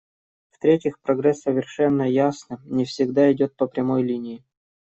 В-третьих, прогресс, совершенно ясно, не всегда идет по прямой линии.